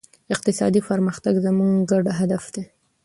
اقتصادي پرمختګ زموږ ګډ هدف دی.